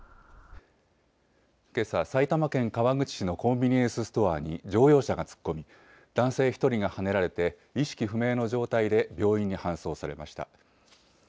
けさ、埼玉県川口市のコンビニエンスストアに乗用車が突っ込み、男性１人がはねられて意識不明の状態で病院に搬送されました。